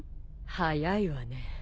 早いわね。